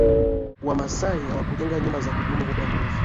wamasai hawakujenga nyumba za kudumu muda mrefu